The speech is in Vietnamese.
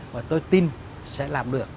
và tôi tin sẽ làm được